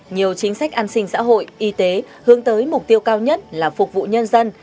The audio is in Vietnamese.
nhiều chính sách an sinh xã hội y tế hướng tới mục tiêu cao nhất là phục vụ nhân dân